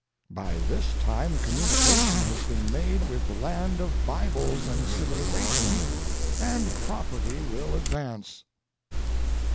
By this time communication has been made with the land of Bibles and civilization, and property will advance."